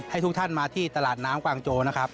ทุกท่านมาที่ตลาดน้ำกวางโจนะครับ